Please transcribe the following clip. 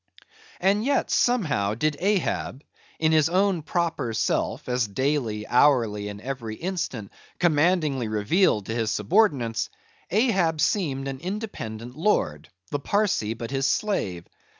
And yet, somehow, did Ahab—in his own proper self, as daily, hourly, and every instant, commandingly revealed to his subordinates,—Ahab seemed an independent lord; the Parsee but his slave.